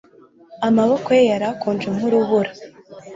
Amaboko ye yari akonje nkurubura